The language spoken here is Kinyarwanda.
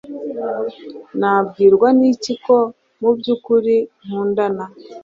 nabwirwa n'iki ko mu byukuri nkundana